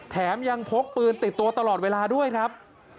แถมยังพกปืนติดตัวตลอดเวลาด้วยครับ